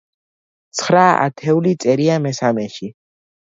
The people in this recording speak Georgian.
ცხრა ათეული წერია მესამეში.